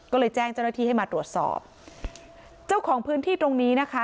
ก็เลยแจ้งเจ้าหน้าที่ให้มาตรวจสอบเจ้าของพื้นที่ตรงนี้นะคะ